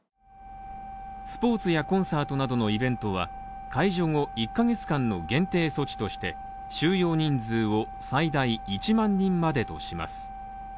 スポーツやコンサートなどのイベントは、解除後１ヶ月間の限定措置として収容人数を最大１万人までとします。